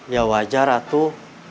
ya wajar atuh